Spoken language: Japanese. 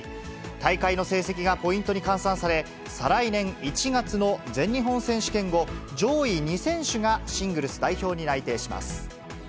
大会の成績がポイントに換算され、再来年１月の全日本選手権後、上位２選手がシングルス代表に内定します。